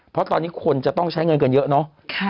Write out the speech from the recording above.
เพราะตอนนี้คนจะต้องใช้เงินกันเยอะเนาะ